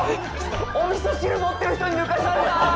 おみそ汁持ってる人に抜かされた！